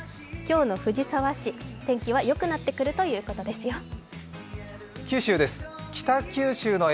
今日の藤沢市、天気はよくなってくるということですよ。